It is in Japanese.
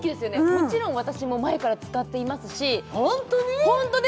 もちろん私も前から使っていますし本当に？